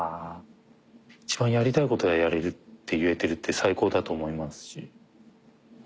一番やりたいことがやれるって言えてるって最高だと思いますし。